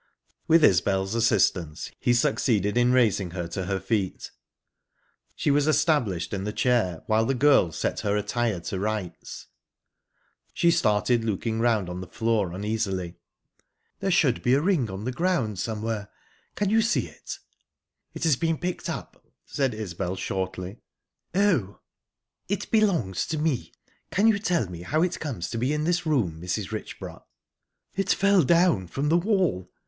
With Isbel's assistance he succeeded in raising her to her feet. She was established in the chair, while the girl set her attire to rights. She started looking round on the floor uneasily. "There should be a ring on the ground somewhere. Can you see it?" "It has been picked up," said Isbel shortly. "Oh!" "It belongs to me. Can you tell me how it comes to be in this room, Mrs. Richborough?" "It fell down from the wall.